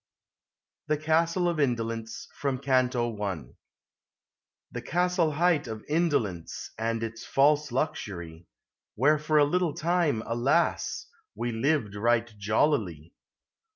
THE CASTLE OF INDOLENCE. FROM CANTO I. The castle hight of Indolence, And its false luxury ; Where for a little time, alas ! We lived right jollily.